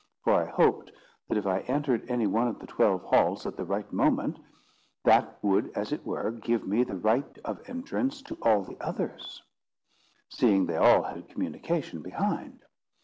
For I hoped that if I entered any one of the twelve halls at the right moment, that would as it were give me the right of entrance to all the others, seeing they all had communication behind.